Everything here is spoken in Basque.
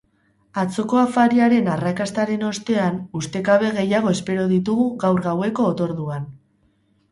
Atzoko afariaren arrakastaren ostean, ustekabe gehiago espero ditugu gaur gaueko otorduan.